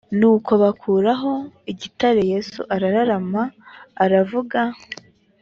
nuko bakuraho igitare yesu arararama aravuga